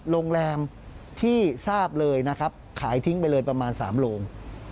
โรงแรมที่ทราบเลยขายประมาณทิ้งไปเลย๓โลง